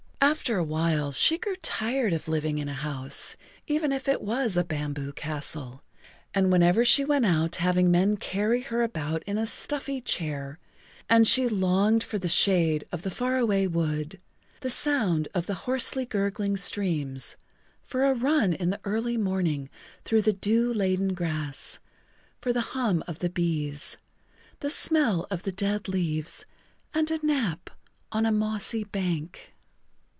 After a while she grew tired of living in a house, even if it was a Bamboo Castle, and whenever she went out having men carry her about in a stuffy chair, and she longed for the shade of the far away wood, the sound of the hoarsely gurgling streams, for a run in the early morning through the dew laden grass, for the hum of the bees,[Pg 37] the smell of the dead leaves and a nap on a mossy bank.